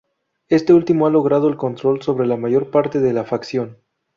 Este último ha logrado el control sobre la mayor parte de la facción.